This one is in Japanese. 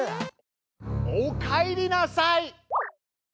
おかえりなさい！